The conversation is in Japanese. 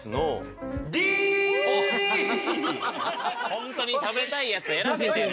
ホントに食べたいやつ選べてる？